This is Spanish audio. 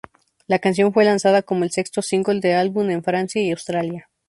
La canción fue lanzada como el sexto single del álbum en Francia y Australia.